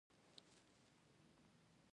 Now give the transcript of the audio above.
واړو ته د ځان په نظر ګوره که دانا يې.